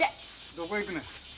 どこ行くねん？